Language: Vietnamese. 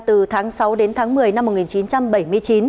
từ tháng sáu đến tháng một mươi năm một nghìn chín trăm bảy mươi chín